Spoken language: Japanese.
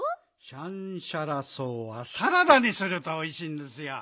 シャンシャラ草はサラダにするとおいしいんですよ。